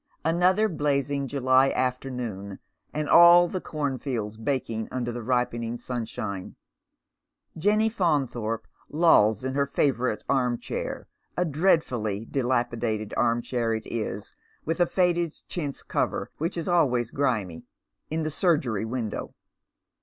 Another blazing July afternoon, and all the cornfields baking under the ripening sunshine. Jenny Faunthorpe lolls in her favourite arm chair — a dreadfully dilapidated arm chair it is, wJtlia faded chints cover which is always grimy — in the surgery window.